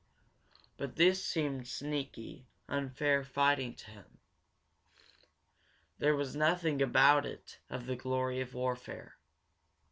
But this seemed like sneaky, unfair fighting to him. There was nothing about it of the glory of warfare.